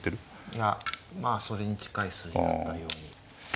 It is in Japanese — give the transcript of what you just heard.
いやまあそれに近い数字だったように。